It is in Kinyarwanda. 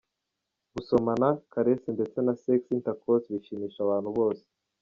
Gusomana, caresses ndetse na sex intercourse bishimisha abantu bose.